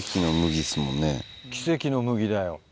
奇跡の麦だよ。